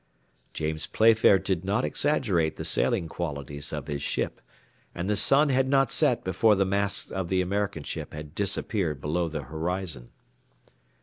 James Playfair did not exaggerate the sailing qualities of his ship, and the sun had not set before the masts of the American ship had disappeared below the horizon.